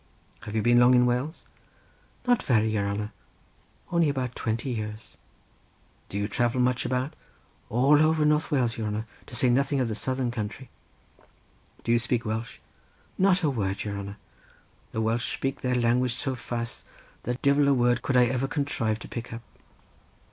"Have you been long in Wales?" "Not very long, your hanner; only about twenty years." "Do you travel much about?" "All over North Wales, your hanner; to say nothing of the southern country." "I suppose you speak Welsh?" "Not a word, your hanner. The Welsh speak their language so fast, that divil a word could I ever contrive to pick up."